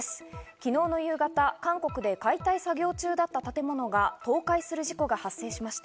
昨日の夕方、韓国で解体作業中だった建物が倒壊する事故が発生しました。